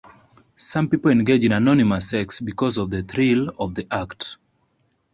Some people engage in anonymous sex because of the thrill of the act.